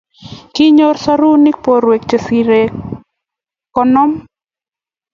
kinyoru sorunik borwek che sirei konom.